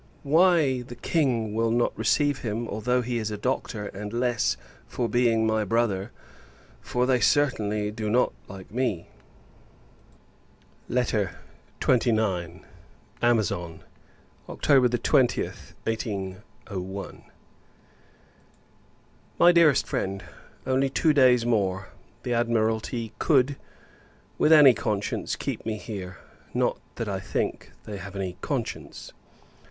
Why, [the] King will not receive him, although he is a Doctor; and less, for being my brother for, they certainly do not like me. LETTER XXIX. Amazon, October 20th, 1801. MY DEAREST FRIEND, Only two days more, the Admiralty could, with any conscience, keep me here; not that I think, they have had any conscience.